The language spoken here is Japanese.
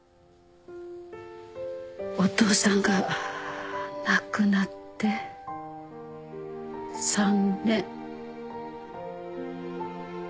お父さんが亡くなって３年。